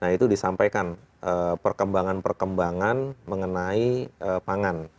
nah itu disampaikan perkembangan perkembangan mengenai pangan